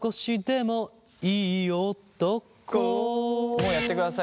もうやってください